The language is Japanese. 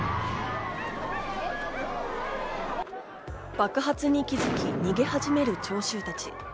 爆発に気づき、逃げ始める聴衆たち。